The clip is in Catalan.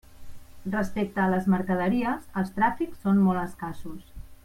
Respecte a les mercaderies, els tràfics són molt escassos.